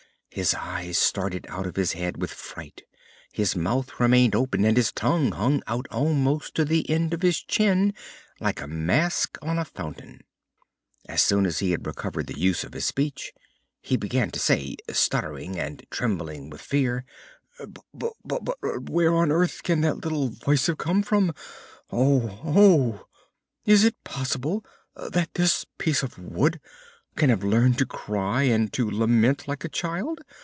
His eyes started out of his head with fright, his mouth remained open, and his tongue hung out almost to the end of his chin, like a mask on a fountain. As soon as he had recovered the use of his speech he began to say, stuttering and trembling with fear: "But where on earth can that little voice have come from that said 'Oh! oh!'? Is it possible that this piece of wood can have learned to cry and to lament like a child?